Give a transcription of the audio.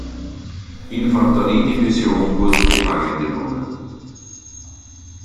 Infanteriedivision wurden gefangen genommen.